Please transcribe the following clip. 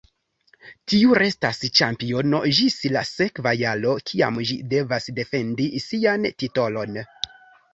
Tiu restas ĉampiono ĝis la sekva jaro, kiam ĝi devas defendi sian titolon.